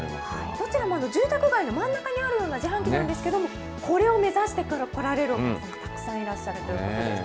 どちらも住宅街の真ん中にある自販機なんですけど、これを目指して来られるお客さん、たくさんいらっしゃるということでした。